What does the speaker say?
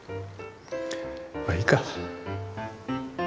まあいいか。